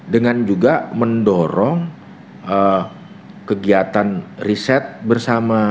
dengan juga mendorong kegiatan riset bersama